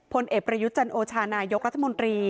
พลเอกประยุทธ์จันโอชานายกรัฐมนตรี